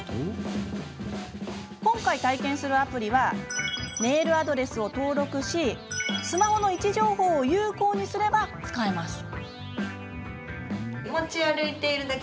今回、体験するアプリはメールアドレスを登録しスマホの位置情報を有効にすれば使えます。